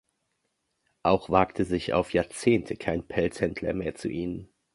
Auch wagte sich auf Jahrzehnte kein Pelzhändler mehr zu ihnen.